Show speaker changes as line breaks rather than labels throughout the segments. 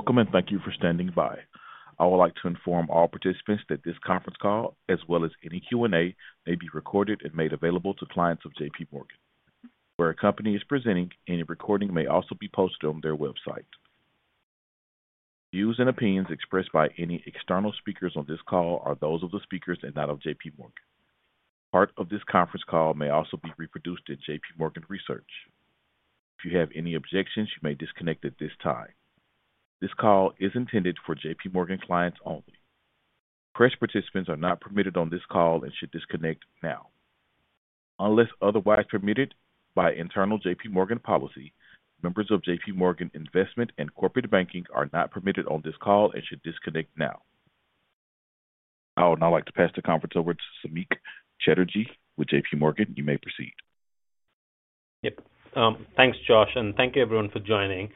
Welcome, and thank you for standing by. I would like to inform all participants that this conference call, as well as any Q&A, may be recorded and made available to clients of JPMorgan. We're a company that is presenting, and a recording may also be posted on their website. Views and opinions expressed by any external speakers on this call are those of the speakers and not of JPMorgan. Part of this conference call may also be reproduced in JPMorgan Research. If you have any objections, you may disconnect at this time. This call is intended for JPMorgan clients only. Fresh participants are not permitted on this call and should disconnect now. Unless otherwise permitted by internal JPMorgan policy, members of JPMorgan Investment and Corporate Banking are not permitted on this call and should disconnect now. I would now like to pass the conference over to Samik Chatterjee with JPMorgan. You may proceed.
Yep. Thanks, Josh, and thank you, everyone, for joining.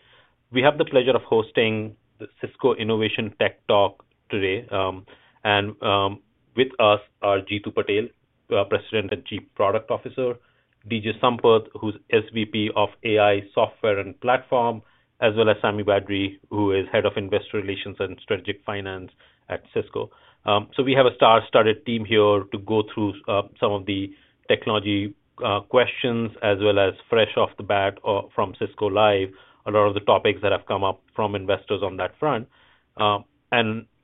We have the pleasure of hosting the Cisco Innovation Tech Talk today. With us are Jeetu Patel, President and Chief Product Officer; DJ Sompath, who's SVP of AI Software and Platform; as well as Sami Badri, who is Head of Investor Relations and Strategic Finance at Cisco. We have a star-studded team here to go through some of the technology questions, as well as fresh off the bat from Cisco Live, a lot of the topics that have come up from investors on that front.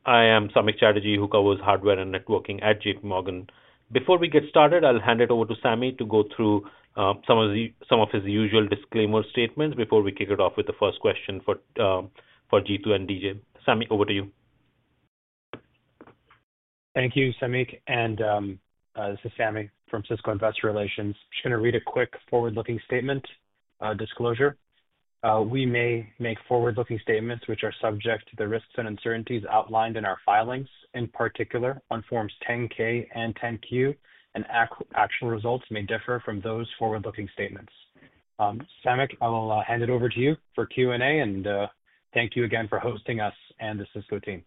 I am Samik Chatterjee, who covers hardware and networking at JPMorgan. Before we get started, I'll hand it over to Sami to go through some of his usual disclaimer statements before we kick it off with the first question for Jeetu and DJ. Sami, over to you.
Thank you, Samik. This is Sami from Cisco Investor Relations. I'm just going to read a quick forward-looking statement disclosure. We may make forward-looking statements which are subject to the risks and uncertainties outlined in our filings, in particular on Forms 10-K and 10-Q, and actual results may differ from those forward-looking statements. Samik, I will hand it over to you for Q&A, and thank you again for hosting us and the Cisco team.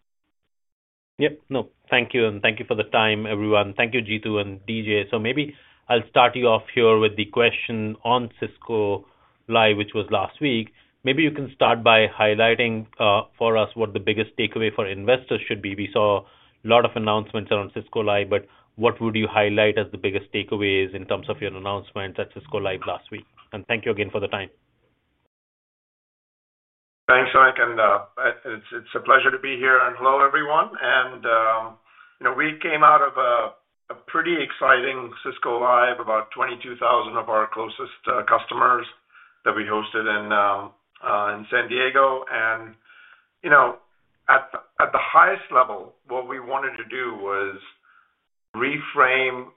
Yep. No, thank you. And thank you for the time, everyone. Thank you, Jeetu and DJ. Maybe I'll start you off here with the question on Cisco Live, which was last week. Maybe you can start by highlighting for us what the biggest takeaway for investors should be. We saw a lot of announcements around Cisco Live, but what would you highlight as the biggest takeaways in terms of your announcements at Cisco Live last week? And thank you again for the time.
Thanks, Samik. It is a pleasure to be here. Hello, everyone. We came out of a pretty exciting Cisco Live, about 22,000 of our closest customers that we hosted in San Diego. At the highest level, what we wanted to do was reframe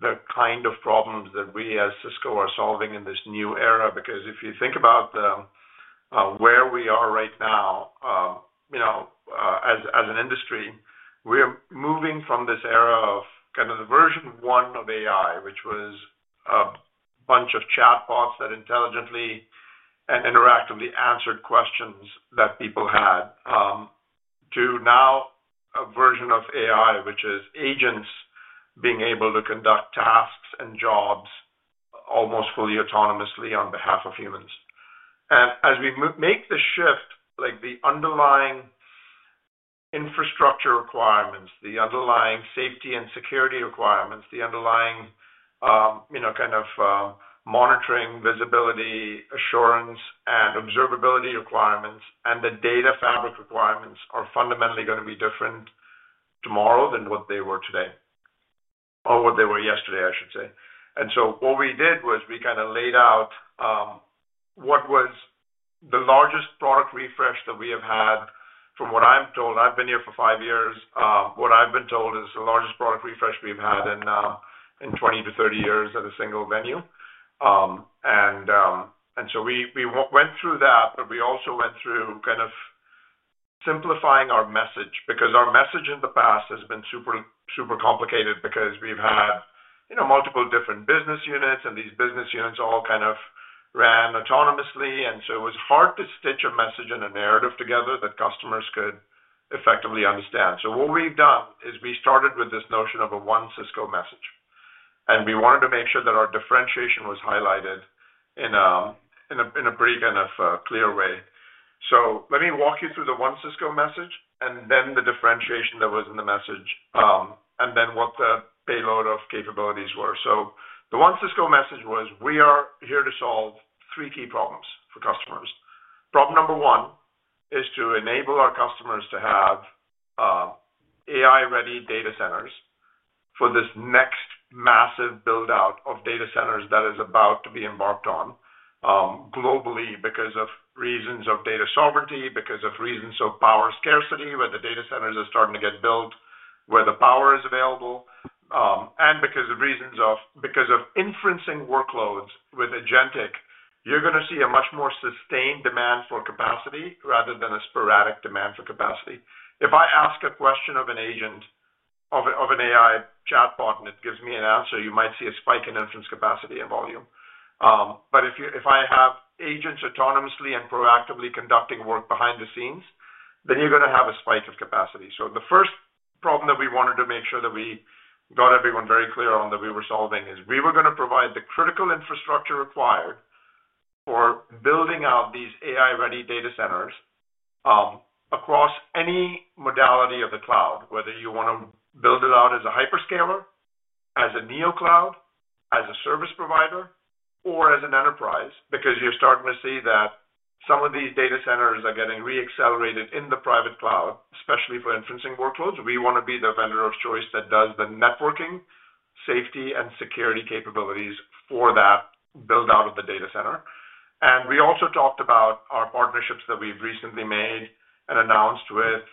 the kind of problems that we as Cisco are solving in this new era. Because if you think about where we are right now as an industry, we are moving from this era of kind of the version one of AI, which was a bunch of chatbots that intelligently and interactively answered questions that people had, to now a version of AI, which is agents being able to conduct tasks and jobs almost fully autonomously on behalf of humans. As we make the shift, the underlying infrastructure requirements, the underlying safety and security requirements, the underlying kind of monitoring, visibility, assurance, and observability requirements, and the data fabric requirements are fundamentally going to be different tomorrow than what they were today, or what they were yesterday, I should say. What we did was we kind of laid out what was the largest product refresh that we have had. From what I'm told, I've been here for five years. What I've been told is the largest product refresh we've had in 20 to 30 years at a single venue. We went through that, but we also went through kind of simplifying our message. Because our message in the past has been super complicated because we've had multiple different business units, and these business units all kind of ran autonomously. It was hard to stitch a message and a narrative together that customers could effectively understand. What we have done is we started with this notion of a one Cisco message. We wanted to make sure that our differentiation was highlighted in a pretty kind of clear way. Let me walk you through the one Cisco message and then the differentiation that was in the message, and then what the payload of capabilities were. The one Cisco message was, we are here to solve three key problems for customers. Problem number one is to enable our customers to have AI-ready data centers for this next massive build-out of data centers that is about to be embarked on globally because of reasons of data sovereignty, because of reasons of power scarcity, where the data centers are starting to get built, where the power is available, and because of reasons of inferencing workloads with agentic. You're going to see a much more sustained demand for capacity rather than a sporadic demand for capacity. If I ask a question of an agent, of an AI chatbot, and it gives me an answer, you might see a spike in inference capacity and volume. If I have agents autonomously and proactively conducting work behind the scenes, then you're going to have a spike of capacity. The first problem that we wanted to make sure that we got everyone very clear on that we were solving is we were going to provide the critical infrastructure required for building out these AI-ready data centers across any modality of the cloud, whether you want to build it out as a hyperscaler, as a neocloud, as a service provider, or as an enterprise. Because you're starting to see that some of these data centers are getting re-accelerated in the private cloud, especially for inferencing workloads. We want to be the vendor of choice that does the networking, safety, and security capabilities for that build-out of the data center. We also talked about our partnerships that we've recently made and announced with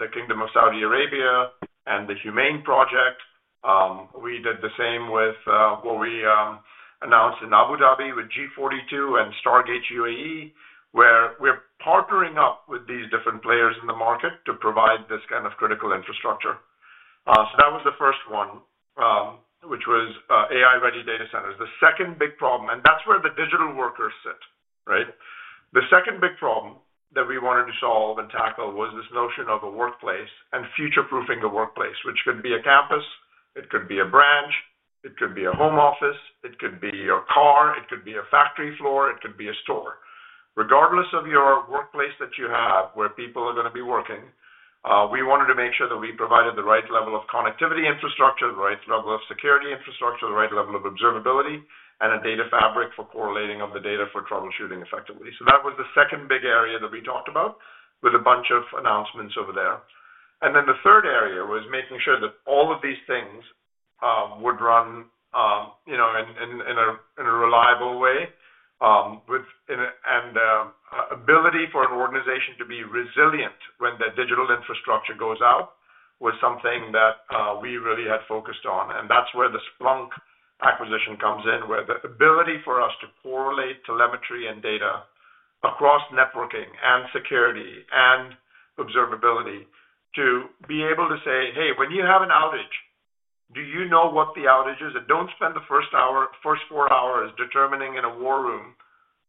the Kingdom of Saudi Arabia and the HUMAIN project. We did the same with what we announced in Abu Dhabi with G42 and Stargate UAE, where we're partnering up with these different players in the market to provide this kind of critical infrastructure. That was the first one, which was AI-ready data centers. The second big problem, and that's where the digital workers sit, right? The second big problem that we wanted to solve and tackle was this notion of a workplace and future-proofing the workplace, which could be a campus, it could be a branch, it could be a home office, it could be your car, it could be a factory floor, it could be a store. Regardless of your workplace that you have, where people are going to be working, we wanted to make sure that we provided the right level of connectivity infrastructure, the right level of security infrastructure, the right level of observability, and a data fabric for correlating of the data for troubleshooting effectively. That was the second big area that we talked about with a bunch of announcements over there. The third area was making sure that all of these things would run in a reliable way. Ability for an organization to be resilient when their digital infrastructure goes out was something that we really had focused on. That is where the Splunk acquisition comes in, where the ability for us to correlate telemetry and data across networking and security and observability to be able to say, "Hey, when you have an outage, do you know what the outage is? Do not spend the first four hours determining in a war room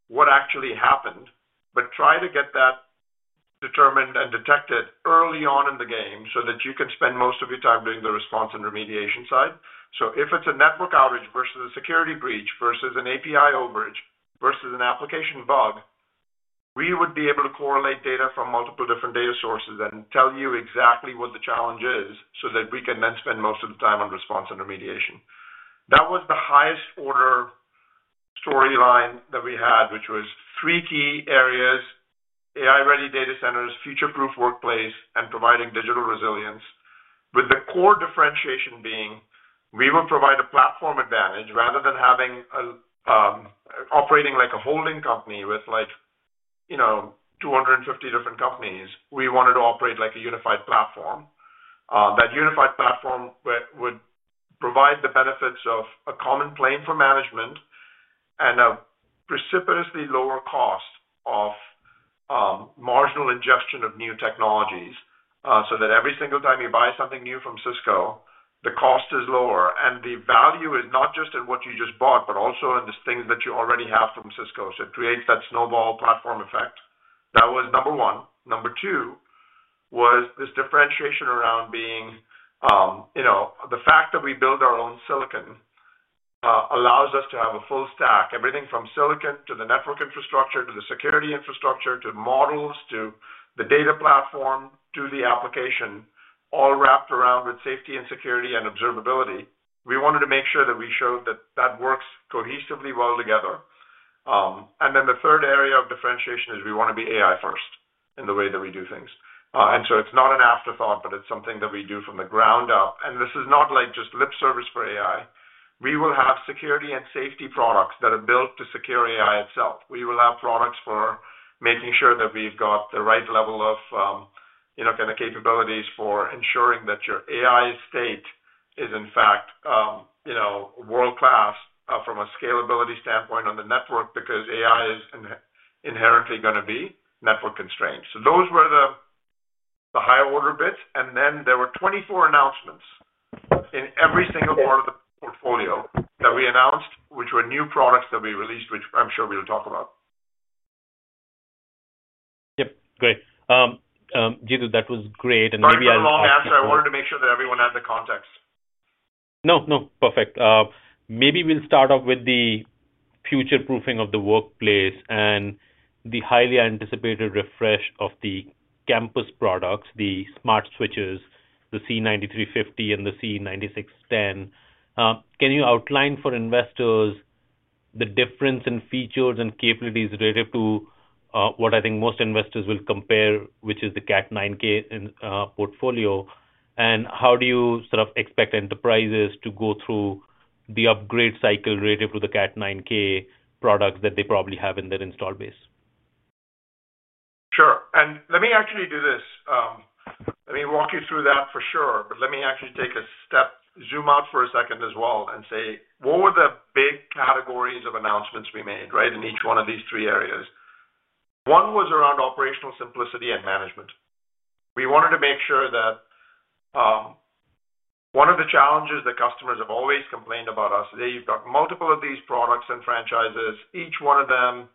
what actually happened, but try to get that determined and detected early on in the game so that you can spend most of your time doing the response and remediation side." If it is a network outage versus a security breach versus an API overage versus an application bug, we would be able to correlate data from multiple different data sources and tell you exactly what the challenge is so that we can then spend most of the time on response and remediation. That was the highest order storyline that we had, which was three key areas: AI-ready data centers, future-proof workplace, and providing digital resilience, with the core differentiation being we will provide a platform advantage rather than having operating like a holding company with 250 different companies. We wanted to operate like a unified platform. That unified platform would provide the benefits of a common plane for management and a precipitously lower cost of marginal ingestion of new technologies so that every single time you buy something new from Cisco, the cost is lower. The value is not just in what you just bought, but also in the things that you already have from Cisco. It creates that snowball platform effect. That was number one. Number two was this differentiation around being the fact that we build our own silicon allows us to have a full stack, everything from silicon to the network infrastructure to the security infrastructure to models to the data platform to the application, all wrapped around with safety and security and observability. We wanted to make sure that we showed that that works cohesively well together. The third area of differentiation is we want to be AI-first in the way that we do things. It is not an afterthought, but it is something that we do from the ground up. This is not just lip service for AI. We will have security and safety products that are built to secure AI itself. We will have products for making sure that we've got the right level of kind of capabilities for ensuring that your AI state is, in fact, world-class from a scalability standpoint on the network because AI is inherently going to be network constrained. Those were the higher order bits. There were 24 announcements in every single part of the portfolio that we announced, which were new products that we released, which I'm sure we'll talk about.
Yep. Great. Jeetu, that was great. Maybe I—
That was a long answer. I wanted to make sure that everyone had the context.
No, no. Perfect. Maybe we'll start off with the future-proofing of the workplace and the highly anticipated refresh of the campus products, the smart switches, the C9350 and the C9610. Can you outline for investors the difference in features and capabilities relative to what I think most investors will compare, which is the Cat9K portfolio? How do you sort of expect enterprises to go through the upgrade cycle relative to the Cat9K products that they probably have in their install base?
Sure. Let me actually do this. Let me walk you through that for sure. Let me actually take a step, zoom out for a second as well, and say what were the big categories of announcements we made, right, in each one of these three areas? One was around operational simplicity and management. We wanted to make sure that one of the challenges that customers have always complained about us, they've got multiple of these products and franchises. Each one of them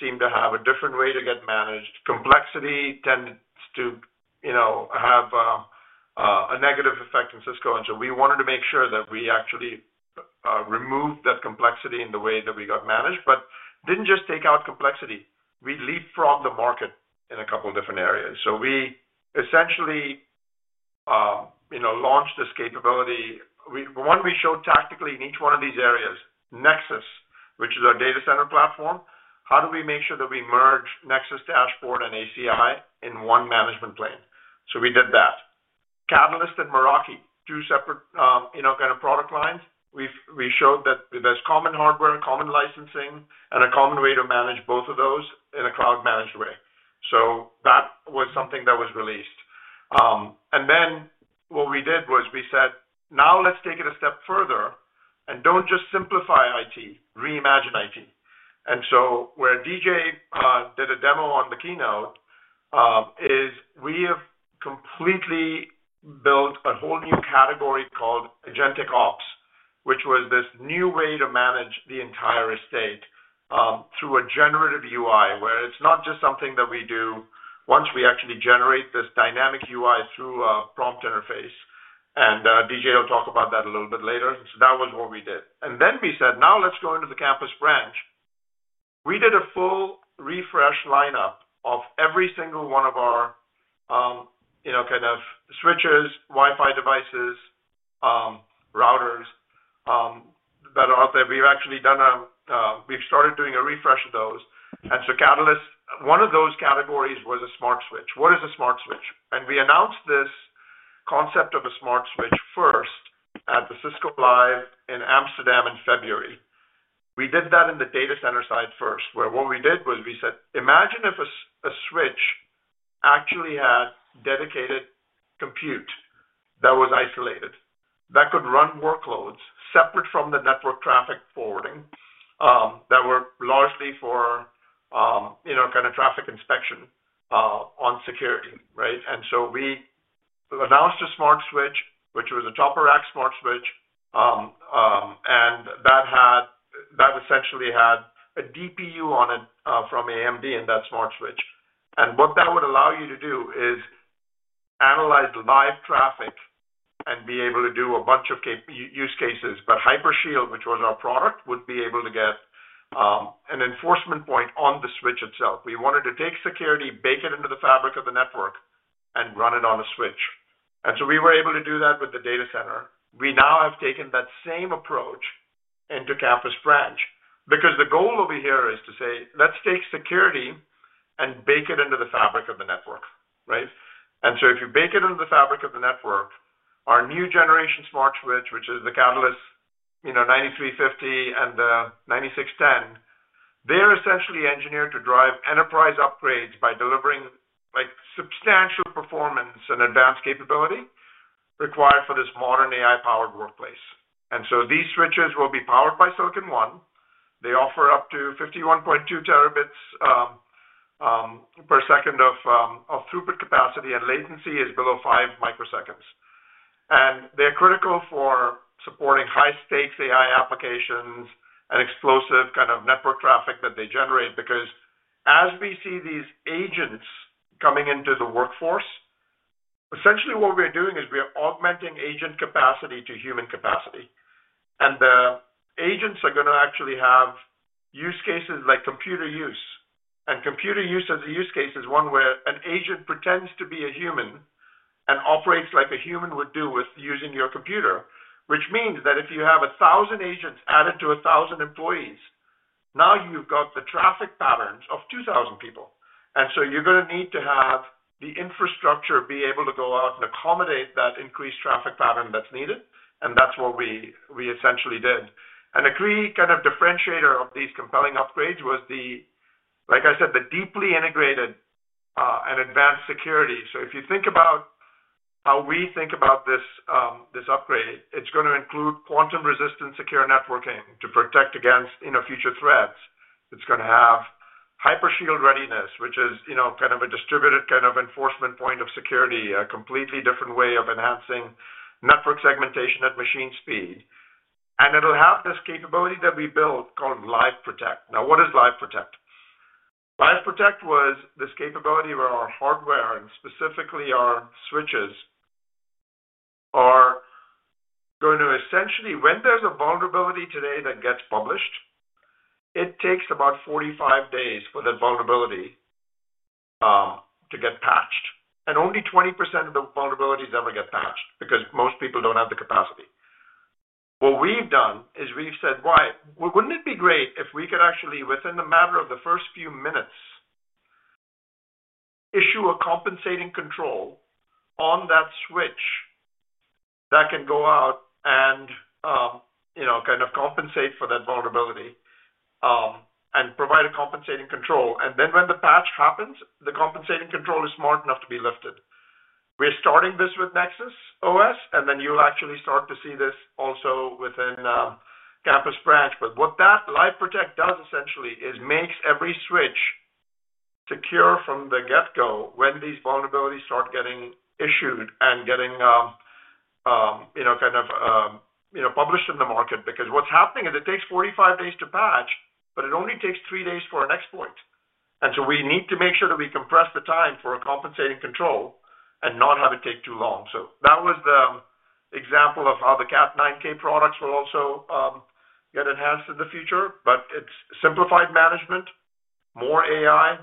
seemed to have a different way to get managed. Complexity tended to have a negative effect on Cisco. We wanted to make sure that we actually removed that complexity in the way that we got managed, but did not just take out complexity. We leapfrogged the market in a couple of different areas. We essentially launched this capability. One, we showed tactically in each one of these areas, Nexus, which is our data center platform. How do we make sure that we merge Nexus Dashboard and ACI in one management plane? We did that. Catalyst and Meraki, two separate kind of product lines. We showed that there's common hardware, common licensing, and a common way to manage both of those in a cloud-managed way. That was something that was released. What we did was we said, "Now let's take it a step further and don't just simplify IT, reimagine IT." Where DJ did a demo on the keynote is we have completely built a whole new category called AgenticOps, which was this new way to manage the entire estate through a generative UI, where it's not just something that we do once. We actually generate this dynamic UI through a prompt interface. DJ will talk about that a little bit later. That was what we did. We said, "Now let's go into the campus branch." We did a full refresh lineup of every single one of our kind of switches, Wi-Fi devices, routers that are out there. We've actually started doing a refresh of those. Catalyst, one of those categories, was a smart switch. What is a smart switch? We announced this concept of a smart switch first at the Cisco Live in Amsterdam in February. We did that in the data center side first, where what we did was we said, "Imagine if a switch actually had dedicated compute that was isolated that could run workloads separate from the network traffic forwarding that were largely for kind of traffic inspection on security," right? We announced a smart switch, which was a top-of-rack smart switch. That essentially had a DPU on it from AMD in that smart switch. What that would allow you to do is analyze live traffic and be able to do a bunch of use cases. Hypershield, which was our product, would be able to get an enforcement point on the switch itself. We wanted to take security, bake it into the fabric of the network, and run it on a switch. We were able to do that with the data center. We now have taken that same approach into campus branch because the goal over here is to say, "Let's take security and bake it into the fabric of the network," right? If you bake it into the fabric of the network, our new generation smart switch, which is the Catalyst 9350 and the 9610, they're essentially engineered to drive enterprise upgrades by delivering substantial performance and advanced capability required for this modern AI-powered workplace. These switches will be powered by Silicon One. They offer up to 51.2 Tb per second of throughput capacity, and latency is below 5 microseconds. They are critical for supporting high-stakes AI applications and the explosive kind of network traffic that they generate because as we see these agents coming into the workforce, essentially what we are doing is we are augmenting agent capacity to human capacity. The agents are going to actually have use cases like computer use. Computer use as a use case is one where an agent pretends to be a human and operates like a human would do with using your computer, which means that if you have 1,000 agents added to 1,000 employees, now you have the traffic patterns of 2,000 people. You are going to need to have the infrastructure be able to go out and accommodate that increased traffic pattern that is needed. That is what we essentially did. A key kind of differentiator of these compelling upgrades was, like I said, the deeply integrated and advanced security. If you think about how we think about this upgrade, it's going to include quantum-resistant secure networking to protect against future threats. It's going to have Hypershield readiness, which is kind of a distributed kind of enforcement point of security, a completely different way of enhancing network segmentation at machine speed. It'll have this capability that we built called Live Protect. Now, what is Live Protect? Live Protect was this capability where our hardware and specifically our switches are going to essentially, when there's a vulnerability today that gets published, it takes about 45 days for that vulnerability to get patched. Only 20% of the vulnerabilities ever get patched because most people don't have the capacity. What we've done is we've said, "Why? Wouldn't it be great if we could actually, within the matter of the first few minutes, issue a compensating control on that switch that can go out and kind of compensate for that vulnerability and provide a compensating control? When the patch happens, the compensating control is smart enough to be lifted. We're starting this with Nexus OS, and you'll actually start to see this also within campus branch. What that Live Protect does essentially is makes every switch secure from the get-go when these vulnerabilities start getting issued and getting kind of published in the market because what's happening is it takes 45 days to patch, but it only takes three days for an exploit. We need to make sure that we compress the time for a compensating control and not have it take too long. That was the example of how the Cat9K products will also get enhanced in the future. It's simplified management, more AI,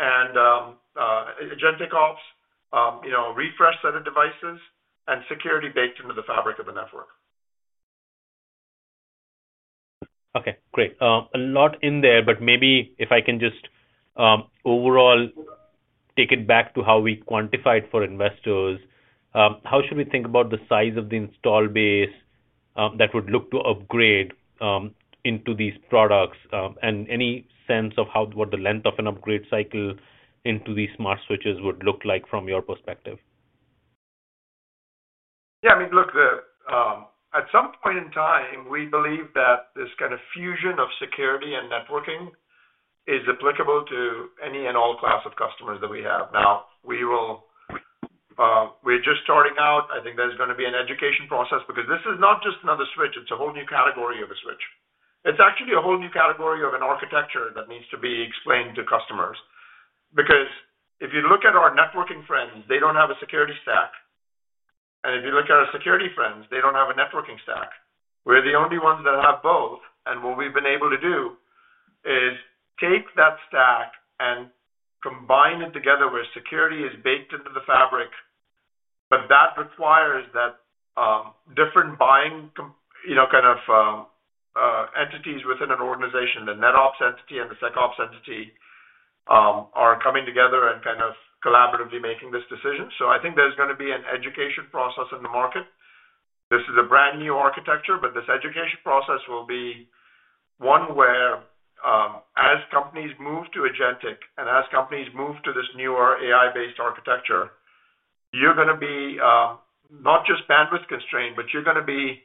and AgenticOps, refresh set of devices, and security baked into the fabric of the network.
Okay. Great. A lot in there, but maybe if I can just overall take it back to how we quantified for investors, how should we think about the size of the install base that would look to upgrade into these products and any sense of what the length of an upgrade cycle into these smart switches would look like from your perspective?
Yeah. I mean, look, at some point in time, we believe that this kind of fusion of security and networking is applicable to any and all class of customers that we have. Now, we're just starting out. I think there's going to be an education process because this is not just another switch. It's a whole new category of a switch. It's actually a whole new category of an architecture that needs to be explained to customers because if you look at our networking friends, they don't have a security stack. If you look at our security friends, they don't have a networking stack. We're the only ones that have both. What we've been able to do is take that stack and combine it together where security is baked into the fabric. That requires that different buying kind of entities within an organization, the NetOps entity and the SecOps entity, are coming together and kind of collaboratively making this decision. I think there's going to be an education process in the market. This is a brand new architecture, but this education process will be one where, as companies move to Agentic and as companies move to this newer AI-based architecture, you're going to be not just bandwidth constrained, but you're going to be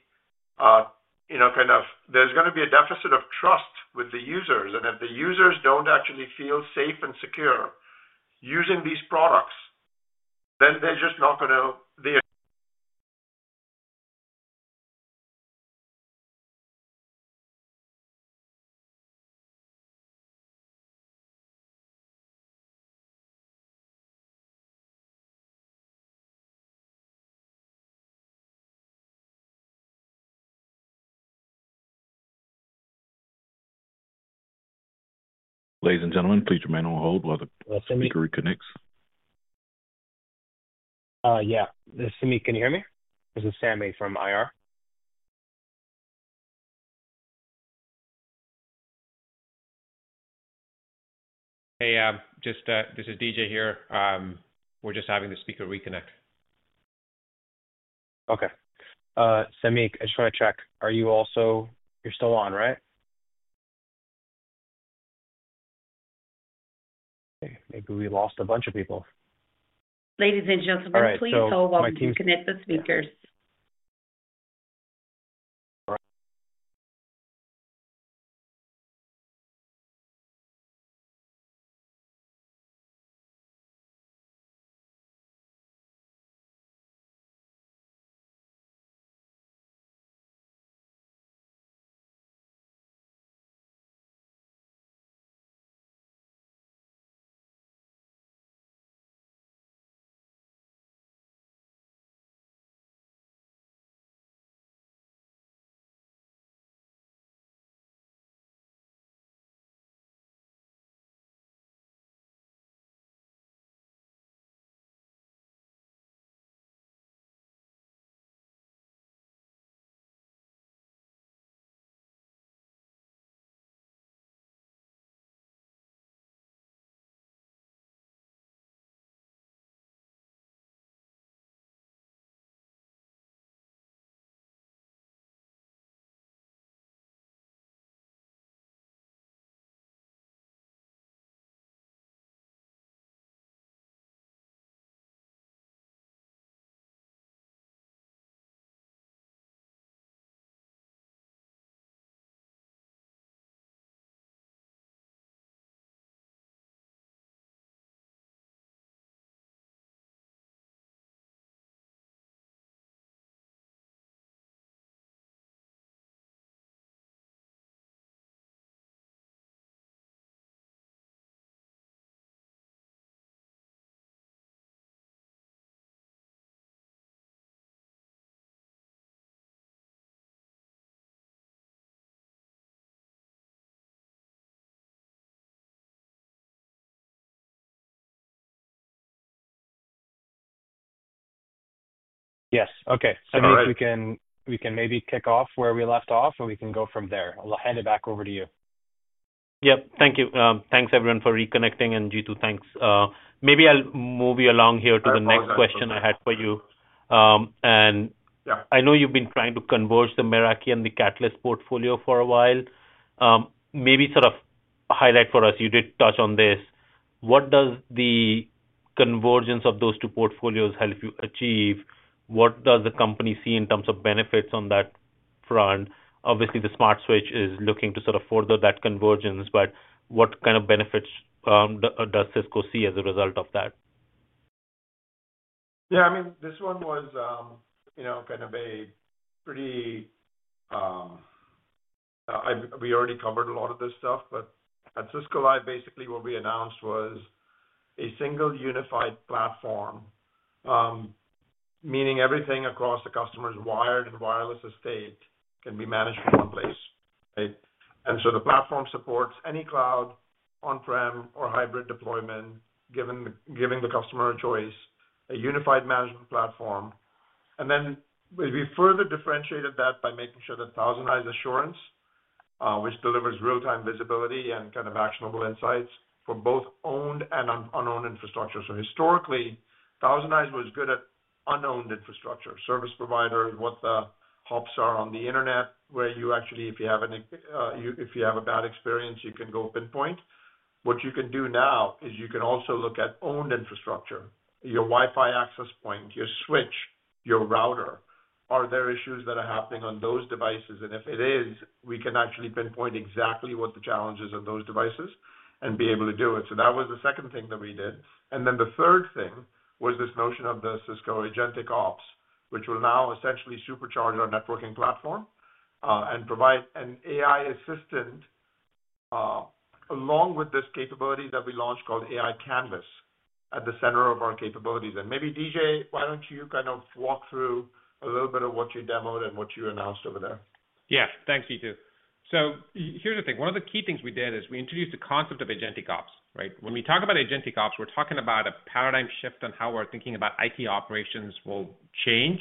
kind of there's going to be a deficit of trust with the users. If the users don't actually feel safe and secure using these products, then they're just not going to.
Ladies and gentlemen, please remain on hold while the speaker reconnects.
Yeah. This is Sami. Can you hear me? This is Sami from IR.
Hey, just this is DJ here. We're just having the speaker reconnect.
Okay. Sami, I just want to check. Are you also, you're still on, right? Okay. Maybe we lost a bunch of people.
Ladies and gentlemen, please hold while we reconnect the speakers.
Yes. Okay. Sami, if we can maybe kick off where we left off, or we can go from there. I'll hand it back over to you.
Yep. Thank you. Thanks, everyone, for reconnecting, and DJ, thanks. Maybe I'll move you along here to the next question I had for you. I know you've been trying to converge the Meraki and the Catalyst portfolio for a while. Maybe sort of highlight for us, you did touch on this. What does the convergence of those two portfolios help you achieve? What does the company see in terms of benefits on that front? Obviously, the smart switch is looking to sort of further that convergence, but what kind of benefits does Cisco see as a result of that?
Yeah. I mean, this one was kind of a pretty, we already covered a lot of this stuff, but at Cisco Live, basically, what we announced was a single unified platform, meaning everything across the customer's wired and wireless estate can be managed from one place, right? The platform supports any cloud, on-prem, or hybrid deployment, giving the customer a choice, a unified management platform. We further differentiated that by making sure that ThousandEyes Assurance, which delivers real-time visibility and kind of actionable insights for both owned and unowned infrastructure. Historically, ThousandEyes was good at unowned infrastructure, service providers, what the hops are on the internet, where you actually, if you have a bad experience, you can go pinpoint. What you can do now is you can also look at owned infrastructure, your Wi-Fi access point, your switch, your router. Are there issues that are happening on those devices? If it is, we can actually pinpoint exactly what the challenge is on those devices and be able to do it. That was the second thing that we did. The third thing was this notion of the Cisco AgenticOps, which will now essentially supercharge our networking platform and provide an AI assistant along with this capability that we launched called AI Canvas at the center of our capabilities. Maybe, DJ, why don't you kind of walk through a little bit of what you demoed and what you announced over there?
Yeah. Thanks, DJ. So here's the thing. One of the key things we did is we introduced the concept of AgenticOps, right? When we talk about AgenticOps, we're talking about a paradigm shift on how we're thinking about IT operations will change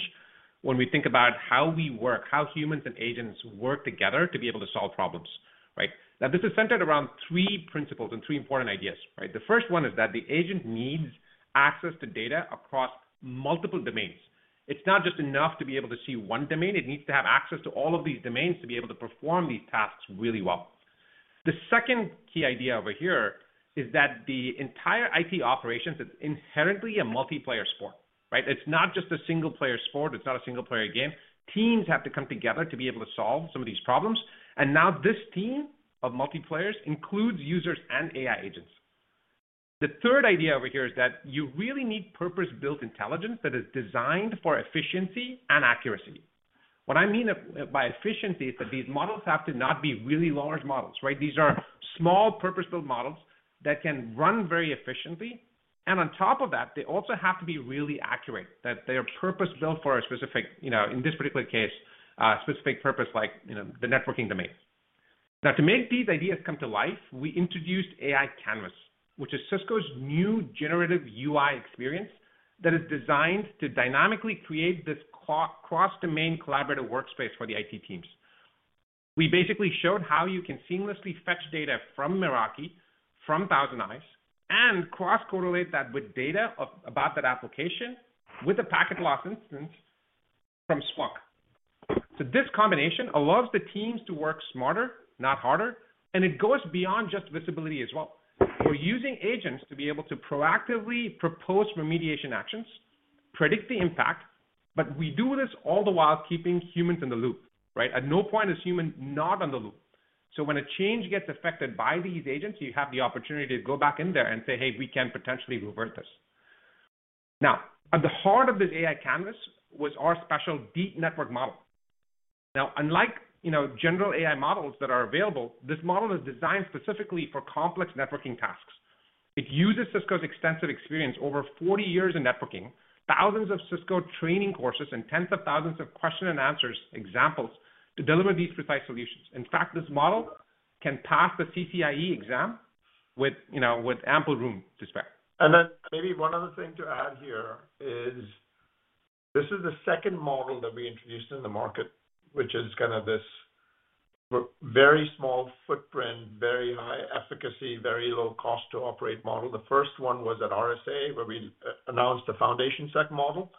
when we think about how we work, how humans and agents work together to be able to solve problems, right? Now, this is centered around three principles and three important ideas, right? The first one is that the agent needs access to data across multiple domains. It's not just enough to be able to see one domain. It needs to have access to all of these domains to be able to perform these tasks really well. The second key idea over here is that the entire IT operations is inherently a multiplayer sport, right? It's not just a single-player sport. It's not a single-player game. Teams have to come together to be able to solve some of these problems. Now this team of multiplayers includes users and AI agents. The third idea over here is that you really need purpose-built intelligence that is designed for efficiency and accuracy. What I mean by efficiency is that these models have to not be really large models, right? These are small purpose-built models that can run very efficiently. On top of that, they also have to be really accurate, that they are purpose-built for a specific, in this particular case, specific purpose like the networking domain. Now, to make these ideas come to life, we introduced AI Canvas, which is Cisco's new generative UI experience that is designed to dynamically create this cross-domain collaborative workspace for the IT teams. We basically showed how you can seamlessly fetch data from Meraki, from ThousandEyes, and cross-correlate that with data about that application with a packet loss instance from Splunk. This combination allows the teams to work smarter, not harder, and it goes beyond just visibility as well. We're using agents to be able to proactively propose remediation actions, predict the impact, but we do this all the while keeping humans in the loop, right? At no point is human not on the loop. When a change gets affected by these agents, you have the opportunity to go back in there and say, "Hey, we can potentially revert this." At the heart of this AI Canvas was our special Deep Network Model. Unlike general AI models that are available, this model is designed specifically for complex networking tasks. It uses Cisco's extensive experience, over 40 years in networking, thousands of Cisco training courses, and tens of thousands of question and answers examples to deliver these precise solutions. In fact, this model can pass the CCIE exam with ample room to spare.
Maybe one other thing to add here is this is the second model that we introduced in the market, which is kind of this very small footprint, very high efficacy, very low cost to operate model. The first one was at RSA, where we announced the Foundation-Sec model.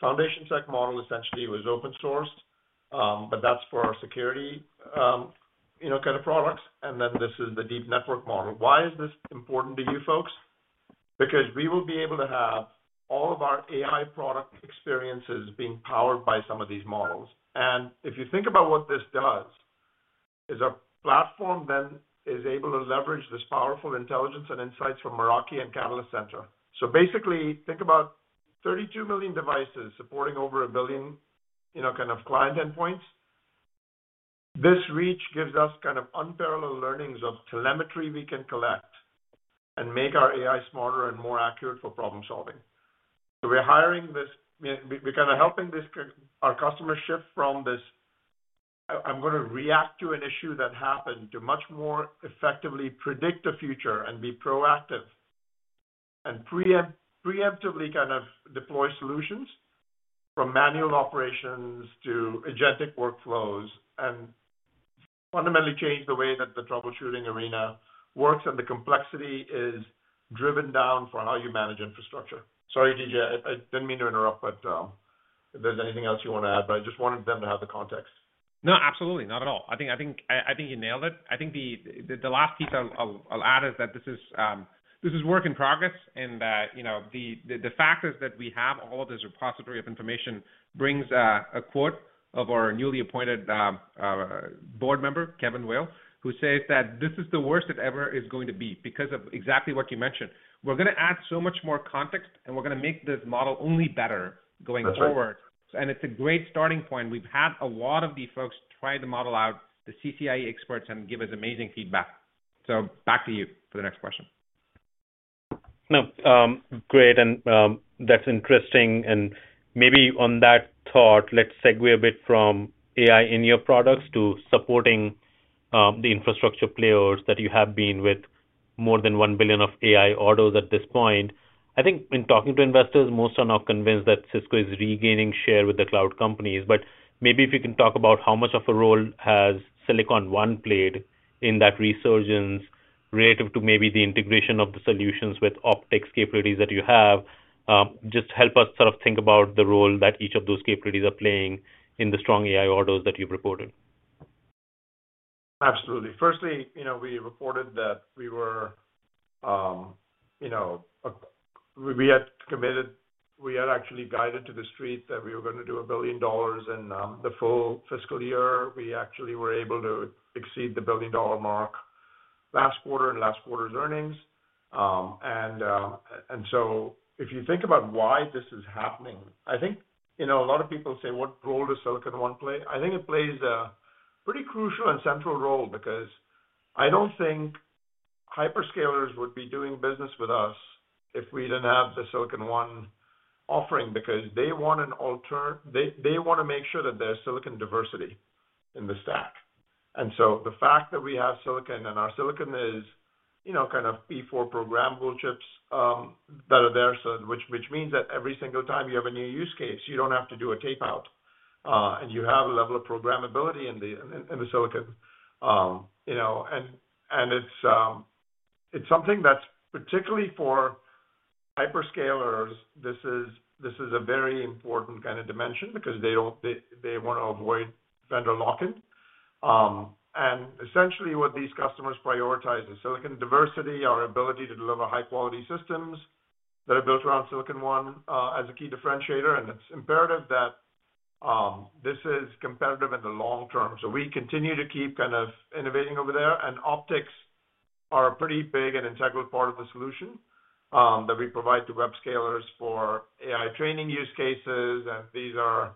Foundation-Sec model essentially was open source, but that's for our security kind of products. This is the Deep Network Model. Why is this important to you folks? We will be able to have all of our AI product experiences being powered by some of these models. If you think about what this does, a platform then is able to leverage this powerful intelligence and insights from Meraki and Catalyst Center. Basically, think about 32 million devices supporting over a billion kind of client endpoints. This reach gives us kind of unparalleled learnings of telemetry we can collect and make our AI smarter and more accurate for problem-solving. We're hiring this, we're kind of helping our customers shift from this, "I'm going to react to an issue that happened," to much more effectively predict the future and be proactive and preemptively kind of deploy solutions from manual operations to agentic workflows and fundamentally change the way that the troubleshooting arena works and the complexity is driven down for how you manage infrastructure. Sorry, DJ. I didn't mean to interrupt, but if there's anything else you want to add, I just wanted them to have the context.
No, absolutely. Not at all. I think you nailed it. I think the last piece I'll add is that this is work in progress. The fact is that we have all of this repository of information brings a quote of our newly appointed board member, Kevin Weil, who says that this is the worst it ever is going to be because of exactly what you mentioned. We're going to add so much more context, and we're going to make this model only better going forward. It's a great starting point. We've had a lot of these folks try the model out, the CCIE experts, and give us amazing feedback. Back to you for the next question.
No, great. That's interesting. Maybe on that thought, let's segue a bit from AI in your products to supporting the infrastructure players that you have been with more than $1 billion of AI orders at this point. I think in talking to investors, most are not convinced that Cisco is regaining share with the cloud companies. Maybe if you can talk about how much of a role has Silicon One played in that resurgence relative to maybe the integration of the solutions with optics capabilities that you have, just help us sort of think about the role that each of those capabilities are playing in the strong AI orders that you've reported.
Absolutely. Firstly, we reported that we had committed, we had actually guided to the street that we were going to do a $1 billion in the full fiscal year. We actually were able to exceed the billion-dollar mark last quarter and last quarter's earnings. If you think about why this is happening, I think a lot of people say, "What role does Silicon One play?" I think it plays a pretty crucial and central role because I do not think hyperscalers would be doing business with us if we did not have the Silicon One offering because they want to make sure that there is silicon diversity in the stack. The fact that we have silicon and our silicon is kind of P4 programmable chips that are there, which means that every single time you have a new use case, you do not have to do a tapeout, and you have a level of programmability in the silicon. It is something that is particularly for hyperscalers, this is a very important kind of dimension because they want to avoid vendor lock-in. Essentially, what these customers prioritize is silicon diversity, our ability to deliver high-quality systems that are built around Silicon One as a key differentiator. It is imperative that this is competitive in the long term. We continue to keep kind of innovating over there. Optics are a pretty big and integral part of the solution that we provide to web scalers for AI training use cases. These are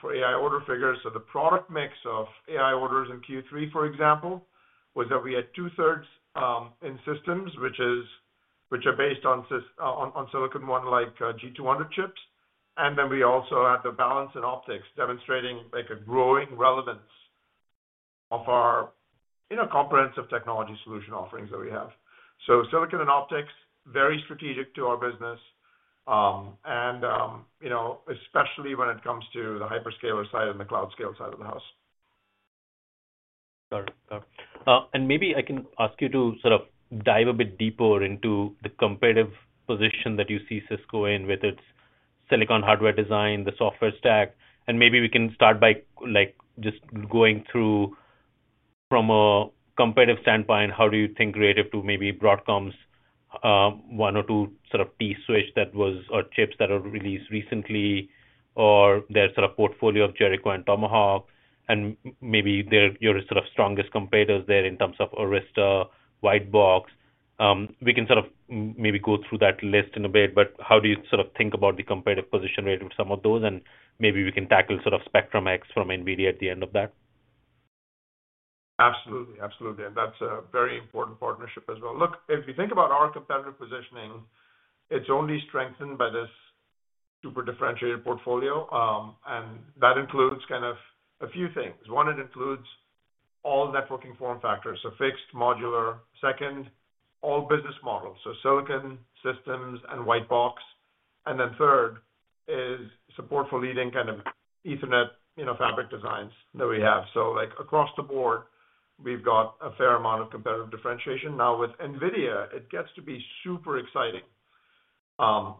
for AI order figures. The product mix of AI orders in Q3, for example, was that we had 2/3 in systems, which are based on Silicon One like G200 chips. We also had the balance in optics, demonstrating a growing relevance of our comprehensive technology solution offerings that we have. Silicon and optics are very strategic to our business, and especially when it comes to the hyperscaler side and the cloud scale side of the house.
Got it. Maybe I can ask you to sort of dive a bit deeper into the competitive position that you see Cisco in with its silicon hardware design, the software stack. Maybe we can start by just going through from a competitive standpoint, how do you think relative to maybe Broadcom's one or two sort of T-Switch chips that were released recently or their sort of portfolio of Jericho and Tomahawk? Maybe your sort of strongest competitors there in terms of Arista, Whitebox. We can sort of maybe go through that list in a bit, but how do you sort of think about the competitive position relative to some of those? Maybe we can tackle sort of Spectrum-X from NVIDIA at the end of that.
Absolutely. Absolutely. That is a very important partnership as well. Look, if you think about our competitive positioning, it is only strengthened by this super differentiated portfolio. That includes kind of a few things. One, it includes all networking form factors, so fixed, modular. Second, all business models, so Silicon Systems and White Box. Third is support for leading kind of Ethernet fabric designs that we have. Across the board, we have got a fair amount of competitive differentiation. Now, with NVIDIA, it gets to be super exciting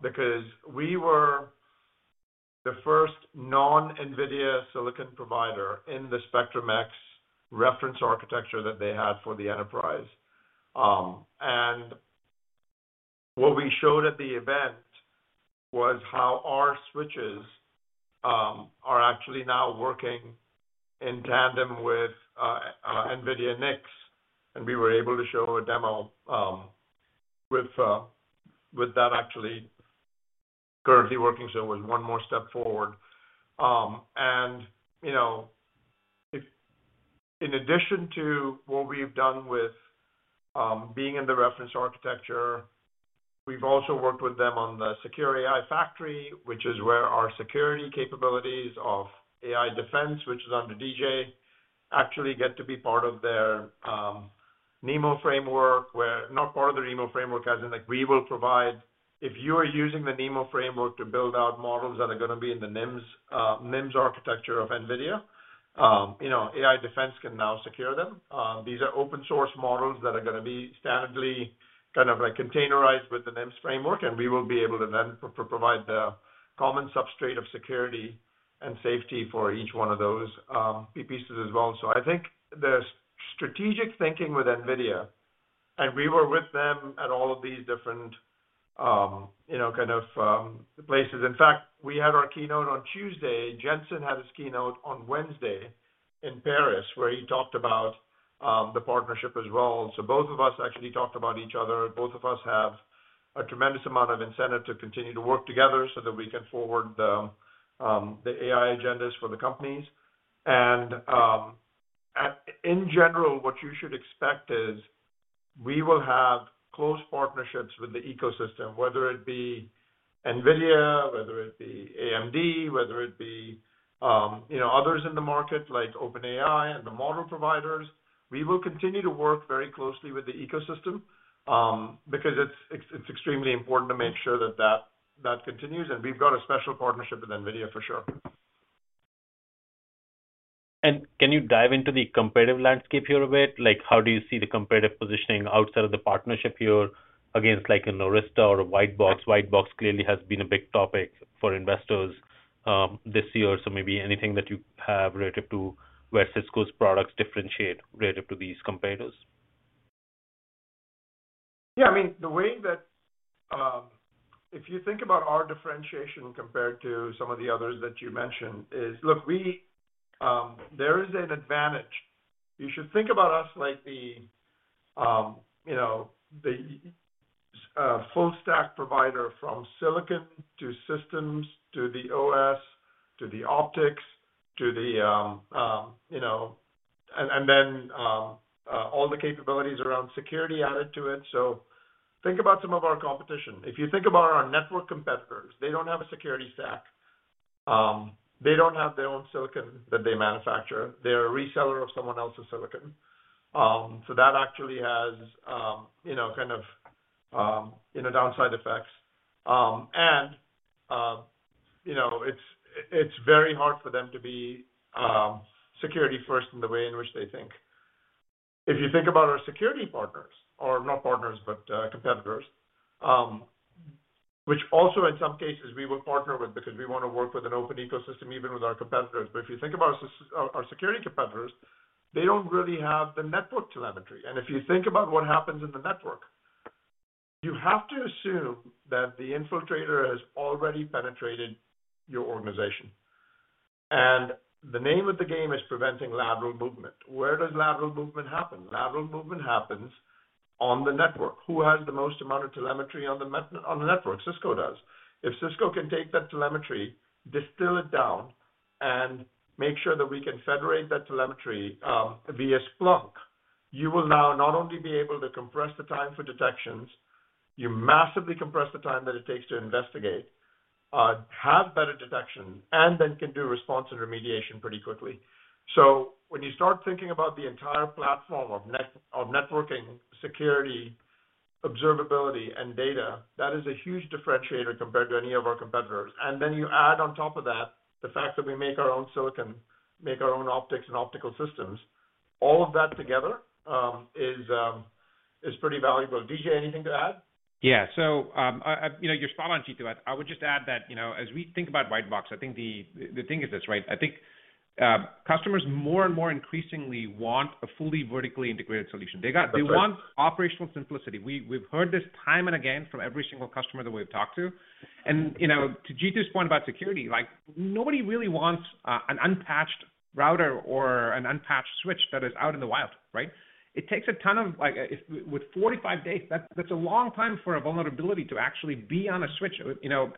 because we were the first non-NVIDIA silicon provider in the Spectrum-X reference architecture that they had for the enterprise. What we showed at the event was how our switches are actually now working in tandem with NVIDIA NICs. We were able to show a demo with that actually currently working. It was one more step forward. In addition to what we've done with being in the reference architecture, we've also worked with them on the Secure AI Factory, which is where our security capabilities of AI Defense, which is under DJ, actually get to be part of their NeMo framework, where not part of the NeMo framework as in we will provide if you are using the NeMo framework to build out models that are going to be in the NIMs architecture of NVIDIA, AI Defense can now secure them. These are open-source models that are going to be standardly kind of containerized with the NIMs framework. We will be able to then provide the common substrate of security and safety for each one of those pieces as well. I think the strategic thinking with NVIDIA, and we were with them at all of these different kind of places. In fact, we had our keynote on Tuesday. Jensen had his keynote on Wednesday in Paris, where he talked about the partnership as well. Both of us actually talked about each other. Both of us have a tremendous amount of incentive to continue to work together so that we can forward the AI agendas for the companies. In general, what you should expect is we will have close partnerships with the ecosystem, whether it be NVIDIA, whether it be AMD, whether it be others in the market like OpenAI and the model providers. We will continue to work very closely with the ecosystem because it is extremely important to make sure that that continues. We have got a special partnership with NVIDIA for sure.
Can you dive into the competitive landscape here a bit? How do you see the competitive positioning outside of the partnership here against Arista or Whitebox? Whitebox clearly has been a big topic for investors this year. Maybe anything that you have relative to where Cisco's products differentiate relative to these competitors?
Yeah. I mean, the way that if you think about our differentiation compared to some of the others that you mentioned is, look, there is an advantage. You should think about us like the full-stack provider from silicon to systems to the OS to the optics to the and then all the capabilities around security added to it. Think about some of our competition. If you think about our network competitors, they do not have a security stack. They do not have their own silicon that they manufacture. They are a reseller of someone else's silicon. That actually has kind of downside effects. It is very hard for them to be security-first in the way in which they think. If you think about our security partners, or not partners, but competitors, which also in some cases we will partner with because we want to work with an open ecosystem even with our competitors. If you think about our security competitors, they do not really have the network telemetry. If you think about what happens in the network, you have to assume that the infiltrator has already penetrated your organization. The name of the game is preventing lateral movement. Where does lateral movement happen? Lateral movement happens on the network. Who has the most amount of telemetry on the network? Cisco does. If Cisco can take that telemetry, distill it down, and make sure that we can federate that telemetry via Splunk, you will now not only be able to compress the time for detections, you massively compress the time that it takes to investigate, have better detection, and then can do response and remediation pretty quickly. When you start thinking about the entire platform of networking, security, observability, and data, that is a huge differentiator compared to any of our competitors. You add on top of that the fact that we make our own silicon, make our own optics and optical systems. All of that together is pretty valuable. DJ, anything to add?
Yeah. So you are spot on, Jeetu. I would just add that as we think about Whitebox, I think the thing is this, right? I think customers more and more increasingly want a fully vertically integrated solution. They want operational simplicity. We have heard this time and again from every single customer that we have talked to. To Jeetu's point about security, nobody really wants an unpatched router or an unpatched switch that is out in the wild, right? It takes a ton of, with 45 days, that is a long time for a vulnerability to actually be on a switch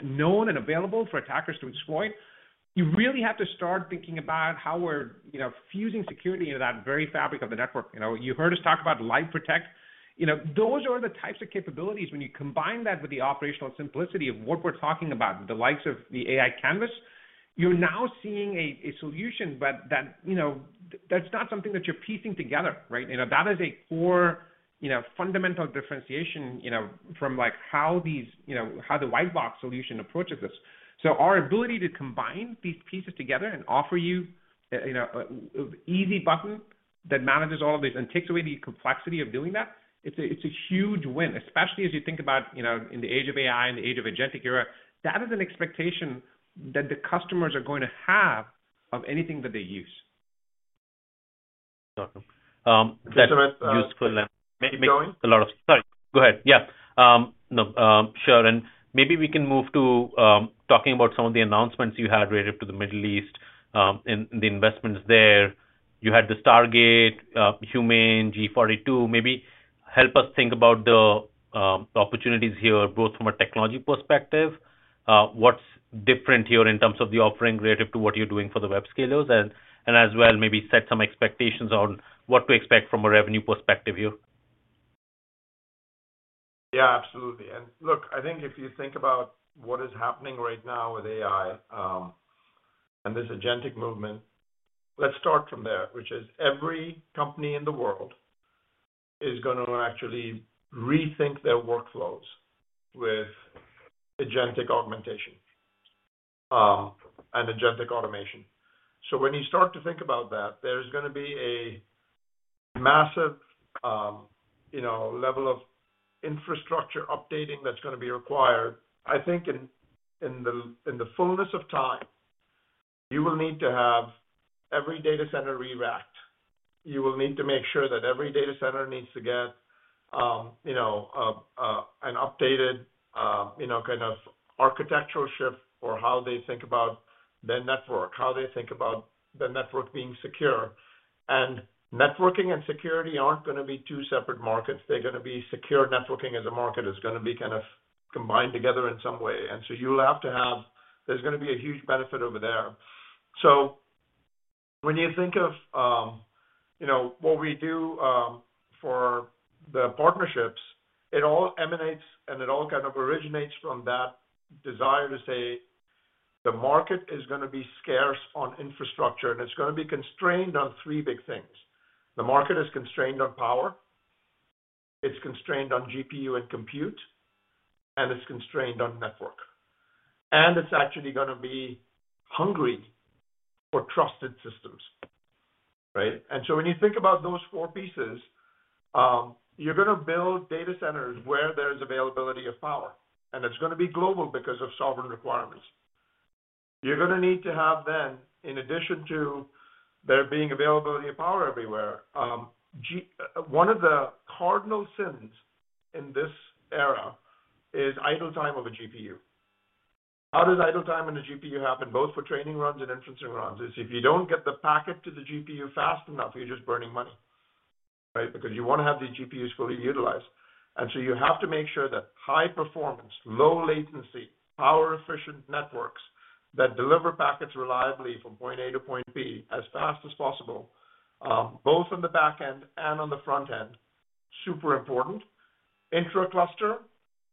known and available for attackers to exploit. You really have to start thinking about how we are fusing security into that very fabric of the network. You heard us talk about Live Protect. Those are the types of capabilities. When you combine that with the operational simplicity of what we're talking about, the likes of the AI Canvas, you're now seeing a solution, but that's not something that you're piecing together, right? That is a core fundamental differentiation from how the Whitebox solution approaches this. Our ability to combine these pieces together and offer you an easy button that manages all of this and takes away the complexity of doing that, it's a huge win, especially as you think about in the age of AI, in the age of agentic era, that is an expectation that the customers are going to have of anything that they use.
Sorry.
That's a useful line.
Sorry. Go ahead. Yeah. No, sure. Maybe we can move to talking about some of the announcements you had relative to the Middle East and the investments there. You had the Stargate, HUMAIN, G42. Maybe help us think about the opportunities here, both from a technology perspective. What's different here in terms of the offering relative to what you're doing for the web scalers? As well, maybe set some expectations on what to expect from a revenue perspective here.
Yeah, absolutely. Look, I think if you think about what is happening right now with AI and this agentic movement, let's start from there, which is every company in the world is going to actually rethink their workflows with agentic augmentation and agentic automation. When you start to think about that, there's going to be a massive level of infrastructure updating that's going to be required. I think in the fullness of time, you will need to have every data center re-racked. You will need to make sure that every data center needs to get an updated kind of architectural shift for how they think about their network, how they think about their network being secure. Networking and security aren't going to be two separate markets. They're going to be secure networking as a market. It's going to be kind of combined together in some way. You'll have to have there's going to be a huge benefit over there. When you think of what we do for the partnerships, it all emanates and it all kind of originates from that desire to say the market is going to be scarce on infrastructure, and it's going to be constrained on three big things. The market is constrained on power. It's constrained on GPU and compute, and it's constrained on network. It's actually going to be hungry for trusted systems, right? When you think about those four pieces, you're going to build data centers where there's availability of power. It's going to be global because of sovereign requirements. You're going to need to have then, in addition to there being availability of power everywhere, one of the cardinal sins in this era is idle time of a GPU. How does idle time in a GPU happen, both for training runs and inferencing runs? If you don't get the packet to the GPU fast enough, you're just burning money, right? Because you want to have these GPUs fully utilized. You have to make sure that high performance, low latency, power-efficient networks that deliver packets reliably from point A to point B as fast as possible, both on the back end and on the front end, are super important. Intra-cluster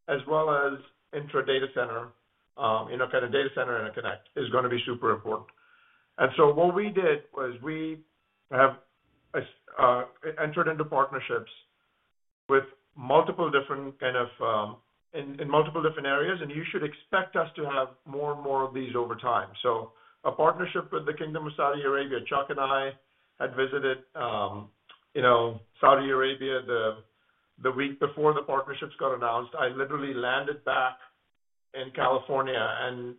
as well as intra-data center, kind of data center interconnect, is going to be super important. What we did was we have entered into partnerships with multiple different, kind of in multiple different areas. You should expect us to have more and more of these over time. A partnership with the Kingdom of Saudi Arabia. Chuck and I had visited Saudi Arabia the week before the partnerships got announced. I literally landed back in California, and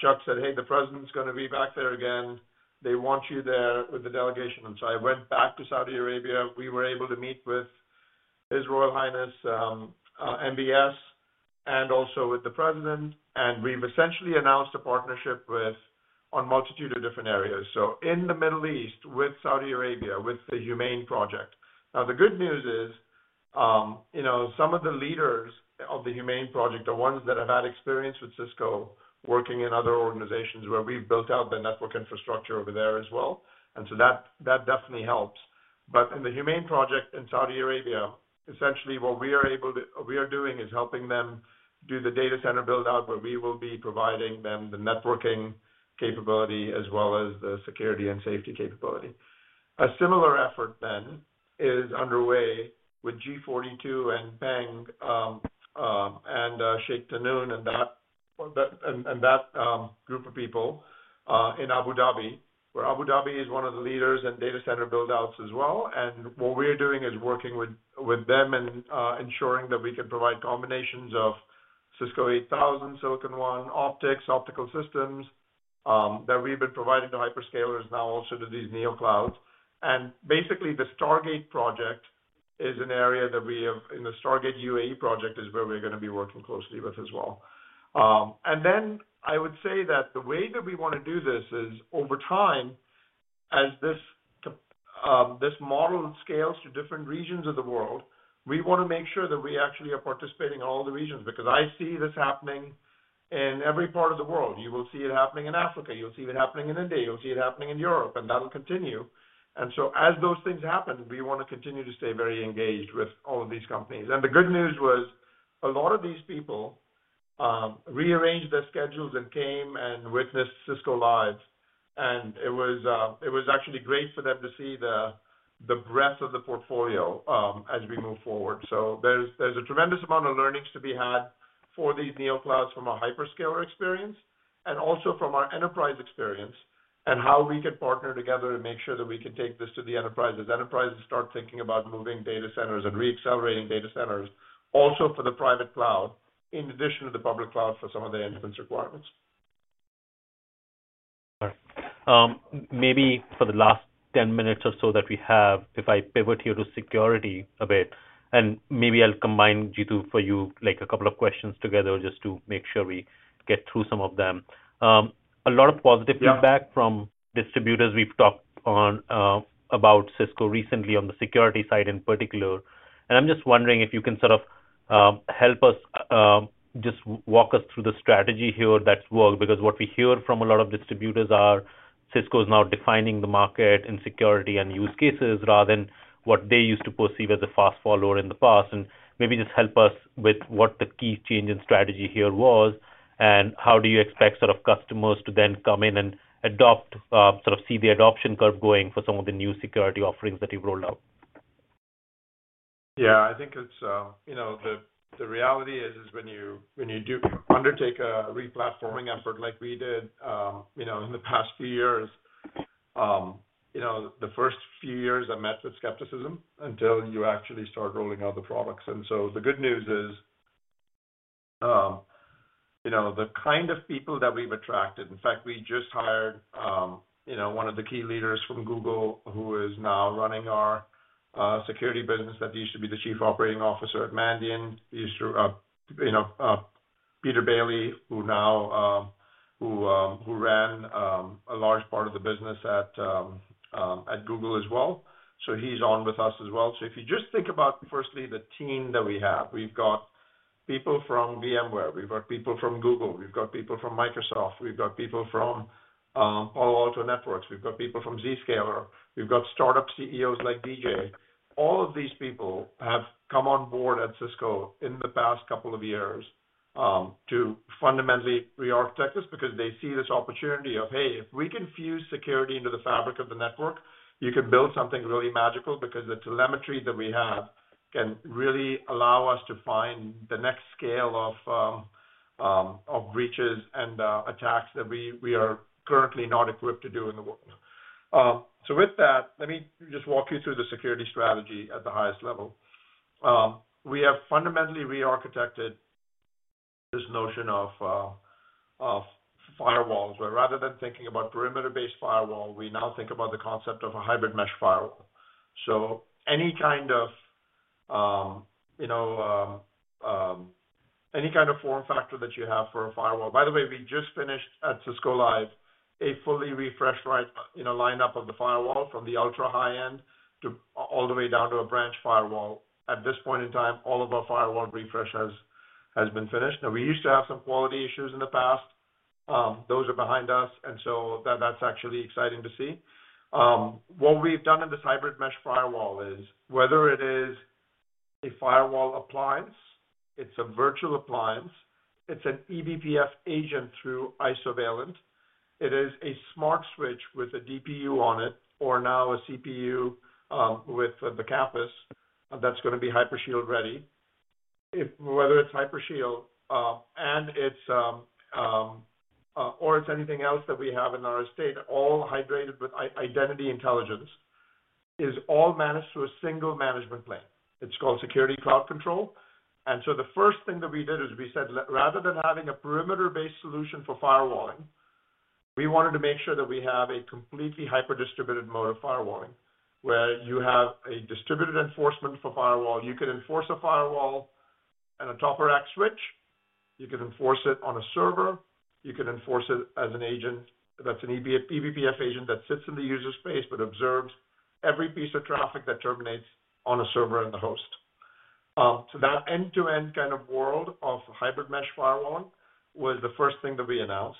Chuck said, "Hey, the president's going to be back there again. They want you there with the delegation." I went back to Saudi Arabia. We were able to meet with His Royal Highness, MBS, and also with the president. We've essentially announced a partnership on a multitude of different areas. In the Middle East with Saudi Arabia, with the HUMAIN project. The good news is some of the leaders of the HUMAIN project are ones that have had experience with Cisco working in other organizations where we've built out the network infrastructure over there as well. That definitely helps. In the HUMAIN project in Saudi Arabia, essentially what we are able to we are doing is helping them do the data center build-out, where we will be providing them the networking capability as well as the security and safety capability. A similar effort then is underway with G42 and Peng and Sheikh Tahnoon and that group of people in Abu Dhabi, where Abu Dhabi is one of the leaders in data center build-outs as well. What we're doing is working with them and ensuring that we can provide combinations of Cisco 8000, Silicon One, Optics, optical systems that we've been providing to hyperscalers, now also to these neoclouds. Basically, the Stargate project is an area that we have in the Stargate UAE project is where we're going to be working closely with as well. I would say that the way that we want to do this is over time, as this model scales to different regions of the world, we want to make sure that we actually are participating in all the regions because I see this happening in every part of the world. You will see it happening in Africa. You'll see it happening in India. You'll see it happening in Europe. That'll continue. As those things happen, we want to continue to stay very engaged with all of these companies. The good news was a lot of these people rearranged their schedules and came and witnessed Cisco Live. It was actually great for them to see the breadth of the portfolio as we move forward. There is a tremendous amount of learnings to be had for these neoclouds from a hyperscaler experience and also from our enterprise experience and how we can partner together and make sure that we can take this to the enterprises, enterprises start thinking about moving data centers and reaccelerating data centers also for the private cloud in addition to the public cloud for some of the inference requirements.
Sorry. Maybe for the last 10 minutes or so that we have, if I pivot here to security a bit, and maybe I'll combine, Jeetu, for you a couple of questions together just to make sure we get through some of them. A lot of positive feedback from distributors we've talked about Cisco recently on the security side in particular. I'm just wondering if you can sort of help us just walk us through the strategy here that's worked because what we hear from a lot of distributors are Cisco is now defining the market in security and use cases rather than what they used to perceive as a fast follower in the past. Maybe just help us with what the key change in strategy here was and how do you expect sort of customers to then come in and adopt, sort of see the adoption curve going for some of the new security offerings that you've rolled out?
Yeah. I think the reality is when you undertake a replatforming effort like we did in the past few years, the first few years are met with skepticism until you actually start rolling out the products. The good news is the kind of people that we've attracted, in fact, we just hired one of the key leaders from Google who is now running our security business that used to be the Chief Operating Officer at Mandiant. Peter Bailey, who ran a large part of the business at Google as well. He's on with us as well. If you just think about firstly the team that we have, we've got people from VMware. We've got people from Google. We've got people from Microsoft. We've got people from Palo Alto Networks. We've got people from Zscaler. We've got startup CEOs like DJ. All of these people have come on board at Cisco in the past couple of years to fundamentally rearchitect this because they see this opportunity of, "Hey, if we can fuse security into the fabric of the network, you can build something really magical because the telemetry that we have can really allow us to find the next scale of breaches and attacks that we are currently not equipped to do in the world." With that, let me just walk you through the security strategy at the highest level. We have fundamentally rearchitected this notion of firewalls, where rather than thinking about perimeter-based firewall, we now think about the concept of a hybrid mesh firewall. Any kind of form factor that you have for a firewall, by the way, we just finished at Cisco Live a fully refreshed lineup of the firewall from the ultra high-end all the way down to a branch firewall. At this point in time, all of our firewall refresh has been finished. We used to have some quality issues in the past. Those are behind us. That's actually exciting to see. What we've done in this hybrid mesh firewall is whether it is a firewall appliance, it's a virtual appliance, it's an eBPF agent through iSurveillance, it is a smart switch with a DPU on it, or now a CPU with the campus that's going to be Hypershield ready, whether it's Hypershield or it's anything else that we have in our estate, all hydrated with identity intelligence, is all managed through a single management plane. It's called Security Cloud Control. The first thing that we did is we said, "Rather than having a perimeter-based solution for firewalling, we wanted to make sure that we have a completely hyper distributed mode of firewalling where you have a distributed enforcement for firewall. You can enforce a firewall in a top-of-rack switch. You can enforce it on a server. You can enforce it as an agent that's an eBPF agent that sits in the user space but observes every piece of traffic that terminates on a server and the host. That end-to-end kind of world of hybrid mesh firewalling was the first thing that we announced.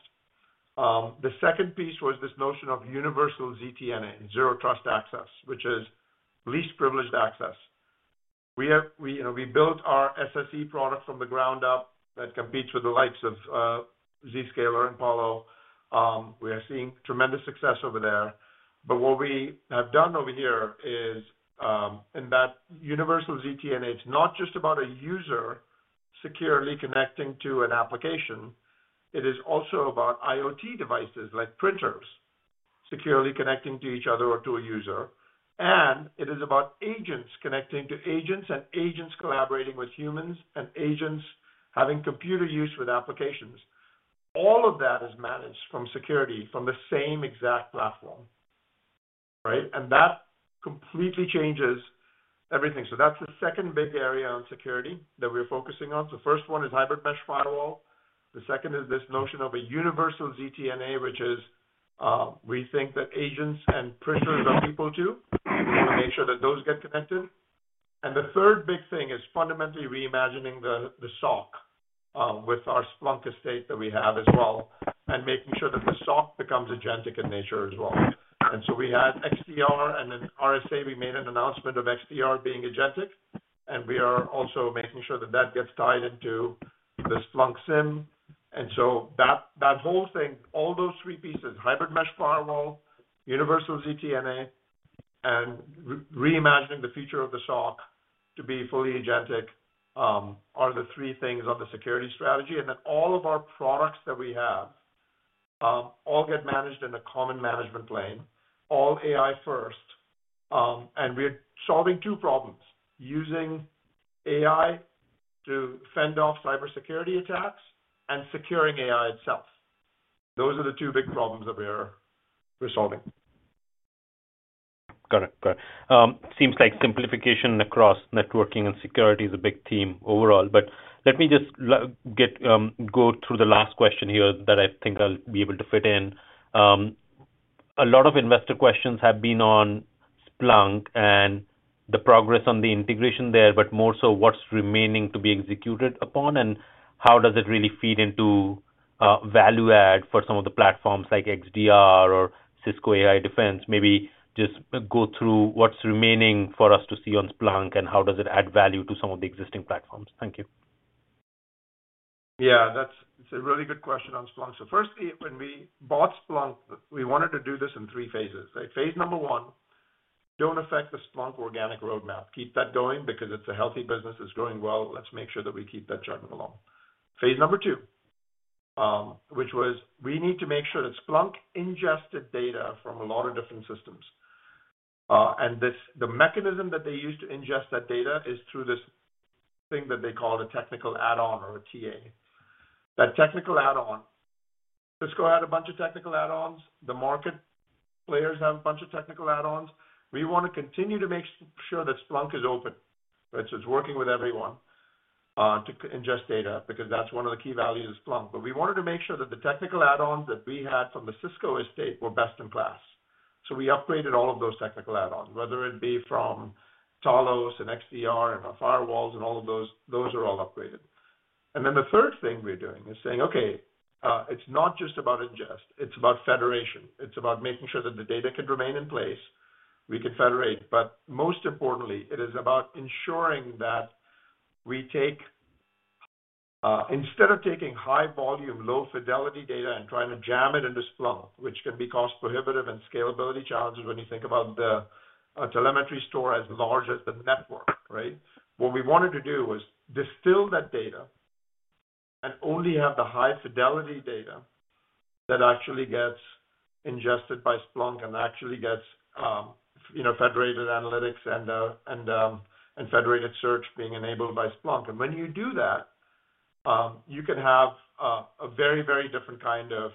The second piece was this notion of universal ZTNA, Zero Trust Access, which is least privileged access. We built our SSE product from the ground up that competes with the likes of Zscaler and Palo Alto. We are seeing tremendous success over there. What we have done over here is in that universal ZTNA, it's not just about a user securely connecting to an application. It is also about IoT devices like printers securely connecting to each other or to a user. It is about agents connecting to agents and agents collaborating with humans and agents having computer use with applications. All of that is managed from security from the same exact platform, right? That completely changes everything. That is the second big area on security that we are focusing on. The first one is hybrid mesh firewall. The second is this notion of a universal ZTNA, which is we think that agents and printers are people too. We want to make sure that those get connected. The third big thing is fundamentally reimagining the SOC with our Splunk estate that we have as well and making sure that the SOC becomes agentic in nature as well. We had XDR and then RSA. We made an announcement of XDR being agentic. We are also making sure that that gets tied into the Splunk SIM. That whole thing, all those three pieces, hybrid mesh firewall, universal ZTNA, and reimagining the future of the SOC to be fully agentic are the three things on the security strategy. All of our products that we have all get managed in a common management plane, all AI-first. We are solving two problems: using AI to fend off cybersecurity attacks and securing AI itself. Those are the two big problems that we are solving.
Got it. Got it. Seems like simplification across networking and security is a big theme overall. Let me just go through the last question here that I think I'll be able to fit in. A lot of investor questions have been on Splunk and the progress on the integration there, but more so what's remaining to be executed upon and how does it really feed into value-add for some of the platforms like XDR or Cisco AI Defense? Maybe just go through what's remaining for us to see on Splunk and how does it add value to some of the existing platforms. Thank you.
Yeah. That's a really good question on Splunk. Firstly, when we bought Splunk, we wanted to do this in three phases. Phase number one, do not affect the Splunk organic roadmap. Keep that going because it is a healthy business. It is growing well. Let's make sure that we keep that chugging along. Phase number two, which was we need to make sure that Splunk ingested data from a lot of different systems. The mechanism that they use to ingest that data is through this thing that they call a technical add-on or a TA. That technical add-on, Cisco had a bunch of technical add-ons. The market players have a bunch of technical add-ons. We want to continue to make sure that Splunk is open, right? It is working with everyone to ingest data because that is one of the key values of Splunk. We wanted to make sure that the technical add-ons that we had from the Cisco estate were best in class. We upgraded all of those technical add-ons, whether it be from Talos and XDR and our firewalls, those are all upgraded. The third thing we're doing is saying, "Okay, it's not just about ingest. It's about federation. It's about making sure that the data can remain in place. We can federate." Most importantly, it is about ensuring that we take, instead of taking high-volume, low-fidelity data and trying to jam it into Splunk, which can be cost-prohibitive and scalability challenges when you think about the telemetry store as large as the network, right? What we wanted to do was distill that data and only have the high-fidelity data that actually gets ingested by Splunk and actually gets federated analytics and federated search being enabled by Splunk. When you do that, you can have a very, very different kind of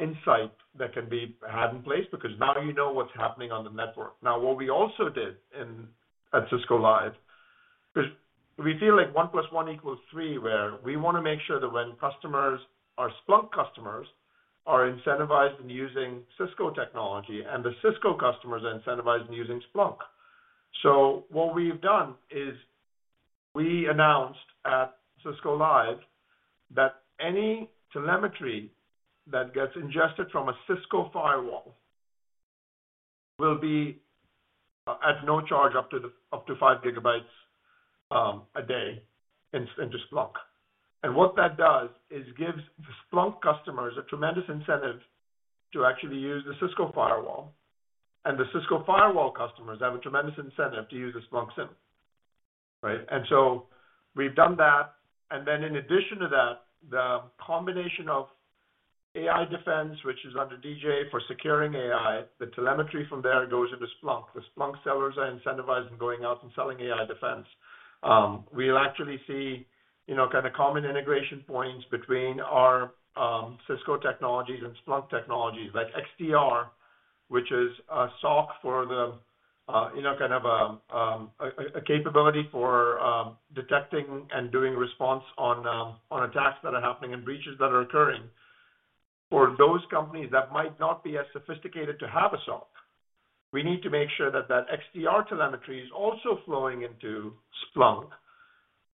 insight that can be had in place because now you know what's happening on the network. What we also did at Cisco Live, because we feel like one plus one equals three, is we want to make sure that when customers are Splunk customers, they are incentivized in using Cisco technology and the Cisco customers are incentivized in using Splunk. What we've done is we announced at Cisco Live that any telemetry that gets ingested from a Cisco firewall will be at no charge up to 5 GB a day into Splunk. What that does is gives the Splunk customers a tremendous incentive to actually use the Cisco firewall. The Cisco firewall customers have a tremendous incentive to use the Splunk CIM, right? We have done that. In addition to that, the combination of AI Defense, which is under DJ for securing AI, the telemetry from there goes into Splunk. The Splunk sellers are incentivized in going out and selling AI Defense. We will actually see kind of common integration points between our Cisco technologies and Splunk technologies like XDR, which is a SOC for the kind of a capability for detecting and doing response on attacks that are happening and breaches that are occurring. For those companies that might not be as sophisticated to have a SOC, we need to make sure that that XDR telemetry is also flowing into Splunk,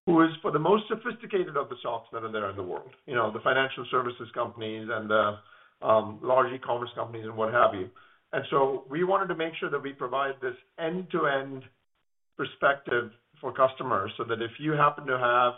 who is for the most sophisticated of the SOCs that are there in the world, the financial services companies and the large E-commerce companies and what have you. We wanted to make sure that we provide this end-to-end perspective for customers so that if you happen to have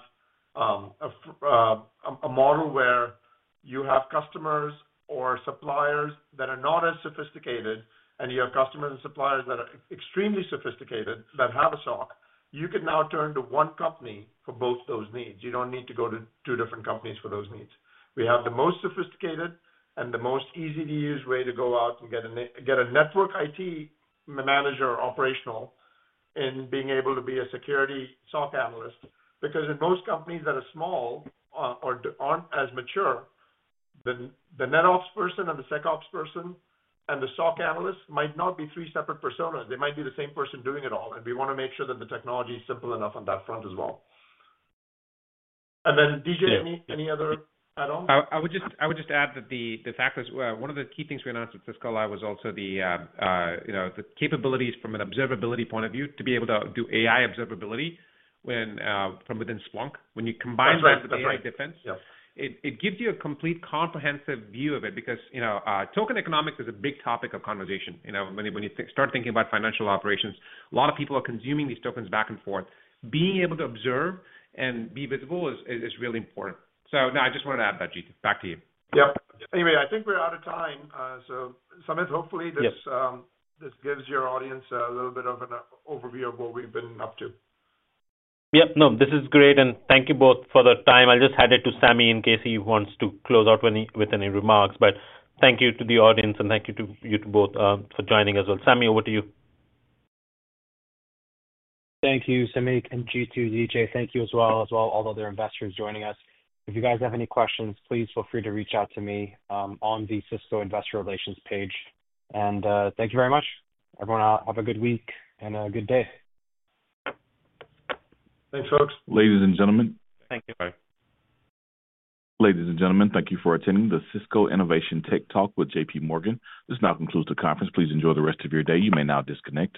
a model where you have customers or suppliers that are not as sophisticated and you have customers and suppliers that are extremely sophisticated that have a SOC, you can now turn to one company for both those needs. You do not need to go to two different companies for those needs. We have the most sophisticated and the most easy-to-use way to go out and get a network IT manager operational in being able to be a security SOC analyst because in most companies that are small or aren't as mature, the NetOps person and the SecOps person and the SOC analyst might not be three separate personas. They might be the same person doing it all. We want to make sure that the technology is simple enough on that front as well. DJ, any other add-ons?
I would just add that the fact was one of the key things we announced at Cisco Live was also the capabilities from an observability point of view to be able to do AI observability from within Splunk. When you combine that with AI Defense, it gives you a complete comprehensive view of it because token economics is a big topic of conversation. When you start thinking about financial operations, a lot of people are consuming these tokens back and forth. Being able to observe and be visible is really important. No, I just wanted to add that, Jeet. Back to you.
Yep. Anyway, I think we're out of time. So Samik, hopefully this gives your audience a little bit of an overview of what we've been up to.
Yep. No, this is great. Thank you both for the time. I'll just hand it to Sami in case he wants to close out with any remarks. Thank you to the audience and thank you to you two both for joining as well. Sami, over to you.
Thank you, Samik, and Jeetu, DJ. Thank you as well. As well, all other investors joining us. If you guys have any questions, please feel free to reach out to me on the Cisco Investor Relations page. Thank you very much. Everyone, have a good week and a good day.
Thanks, folks.
Ladies and gentlemen.
Thank you.
Bye. Ladies and gentlemen, thank you for attending the Cisco Innovation Tech Talk with JPMorgan. This now concludes the conference. Please enjoy the rest of your day. You may now disconnect.